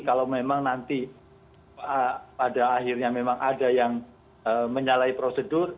kalau memang nanti pada akhirnya memang ada yang menyalahi prosedur